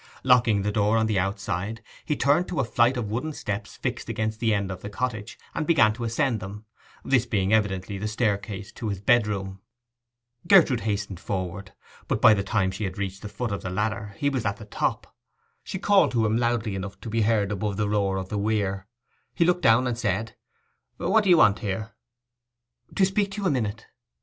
Locking the door on the outside, he turned to a flight of wooden steps fixed against the end of the cottage, and began to ascend them, this being evidently the staircase to his bedroom. Gertrude hastened forward, but by the time she reached the foot of the ladder he was at the top. She called to him loudly enough to be heard above the roar of the weir; he looked down and said, 'What d'ye want here?' 'To speak to you a minute.